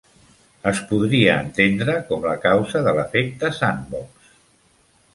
Es podria entendre com la causa de l'efecte Sandbox.